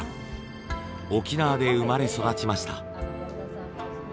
沖縄で生まれ育ちました。